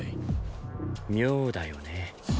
妙だよね。